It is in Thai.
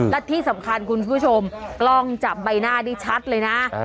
และที่สำคัญคุณผู้ชมกล้องจับใบหน้าได้ชัดเลยนะ